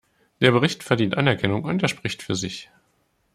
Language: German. Der Bericht verdient Anerkennung, und er spricht für sich.